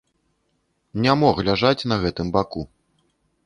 Не мог ляжаць на гэтым баку.